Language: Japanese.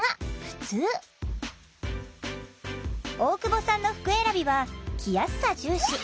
大久保さんの服選びは着やすさ重視。